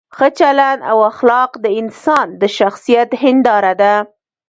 ښه چلند او اخلاق د انسان د شخصیت هنداره ده.